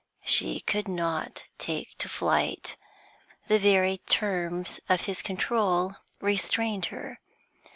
She could not take to flight, the very terms of his control restrained her.